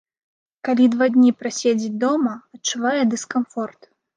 Калі два дні праседзіць дома, адчувае дыскамфорт.